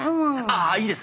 あいいです。